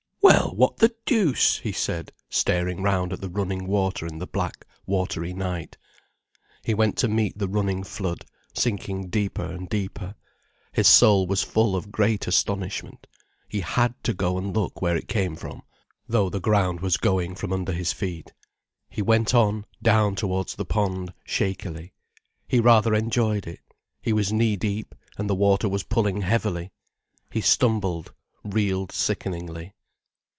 "Well, what the deuce!" he said, staring round at the running water in the black, watery night. He went to meet the running flood, sinking deeper and deeper. His soul was full of great astonishment. He had to go and look where it came from, though the ground was going from under his feet. He went on, down towards the pond, shakily. He rather enjoyed it. He was knee deep, and the water was pulling heavily. He stumbled, reeled sickeningly.